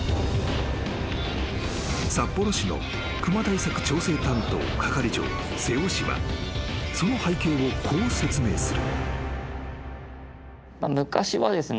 ［札幌市の熊対策調整担当係長清尾氏はその背景をこう説明する］